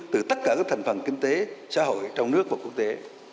từ tất cả các thành phần kinh tế xã hội trong nước và quốc tế